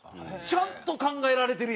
ちゃんと考えられてるやん。